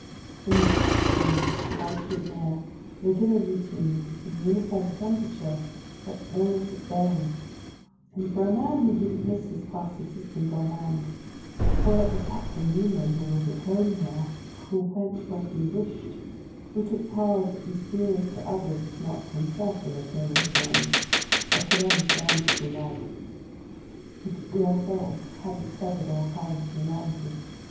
The nutritious food, life giving air, regular routine, and uniform temperature kept illness at bay; and for a man who didn't miss his past existence on land, for a Captain Nemo who was at home here, who went where he wished, who took paths mysterious to others if not himself in attaining his ends, I could understand such a life. But we ourselves hadn't severed all ties with humanity.